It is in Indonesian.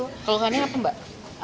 keluhannya apa mbak